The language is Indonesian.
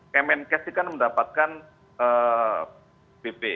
kemenkes itu kan mendapatkan bp